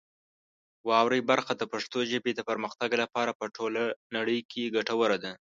واورئ برخه د پښتو ژبې د پرمختګ لپاره په ټوله نړۍ کې ګټوره ده.